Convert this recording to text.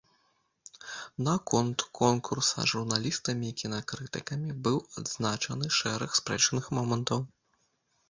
На конт конкурса журналістамі і кінакрытыкамі быў адзначаны шэраг спрэчных момантаў.